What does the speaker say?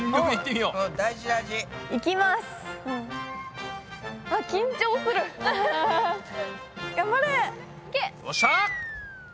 よっしゃ！